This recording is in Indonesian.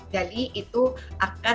jadi itu akan